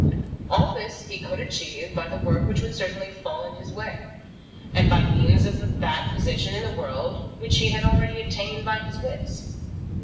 All this he could achieve by the work which would certainly fall in his way, and by means of that position in the world which he had already attained by his wits.